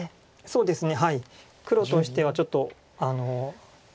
そうですね。